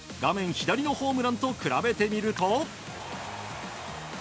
左のホームランと比べてみると。